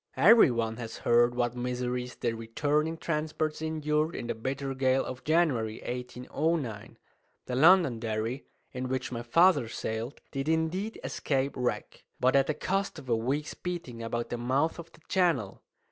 Every one has heard what miseries the returning transports endured in the bitter gale of January, 1809. The Londonderry, in which my father sailed, did indeed escape wreck, but at the cost of a week's beating about the mouth of the Channel.